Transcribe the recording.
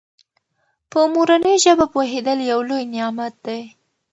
په مورنۍ ژبه پوهېدل یو لوی نعمت دی.